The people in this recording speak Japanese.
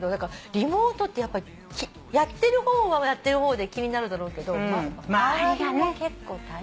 リモートってやっぱりやってる方はやってる方で気になるだろうけど周りが結構大変。